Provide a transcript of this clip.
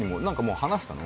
話したの？